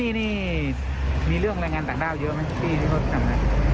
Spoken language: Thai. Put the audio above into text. ที่นี่นี่มีเรื่องแรงงานต่างด้าวเยอะมั้ยพี่ที่ต้องทำอะไร